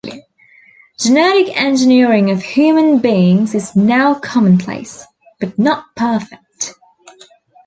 Genetic engineering of human beings is now commonplace, but not perfect.